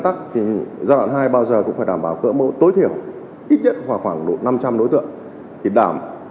theo các chuyên gia